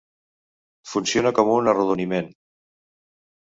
Funciona com un arrodoniment.